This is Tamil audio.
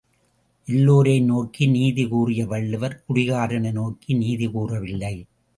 எல்லோரையும் நோக்கி நீதி கூறிய வள்ளுவர் குடிகாரனை நோக்கி நீதி கூறவில்லை.